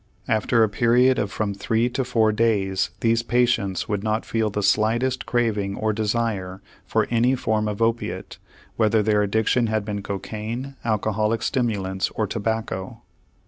After a period of from three to four days these patients would not feel the slightest craving or desire for any form of opiate, whether their addiction had been cocaine, alcoholic stimulants, or tobacco.